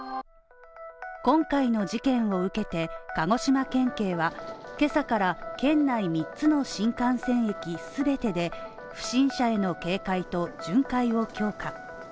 今回の事件を受けて、鹿児島県警は今朝から県内三つの新幹線駅全てで不審者への警戒と巡回を強化。